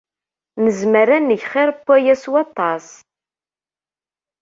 Nezmer ad neg xir n waya s waṭas.